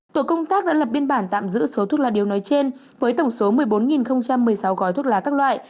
tổ công tác đã lập biên bản tạm giữ số thuốc lá điếu nói trên với tổng số một mươi bốn một mươi sáu gói thuốc lá các loại